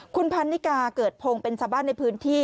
คุณพันนิกาเกิดพงศ์เป็นชาวบ้านในพื้นที่